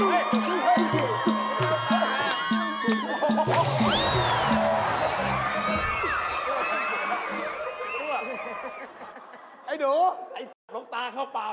ลงตาเข้าเปล่า